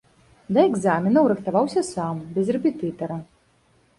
Да экзаменаў рыхтаваўся сам, без рэпетытара.